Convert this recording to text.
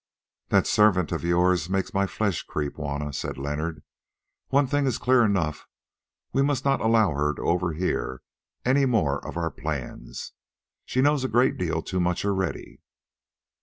"That servant of yours makes my flesh creep, Juanna," said Leonard. "One thing is clear enough, we must not allow her to overhear any more of our plans; she knows a great deal too much already."